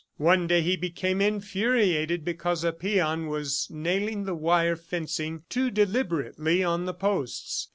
One day he became infuriated because a peon was nailing the wire fencing too deliberately on the posts.